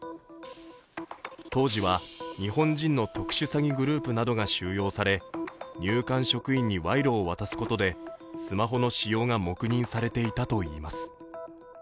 当時は日本人の特殊詐欺グループなどが収容され入管職員に賄賂を渡すことでスマホの使用が黙認されていたといいます。